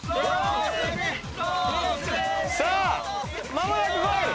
間もなくゴール！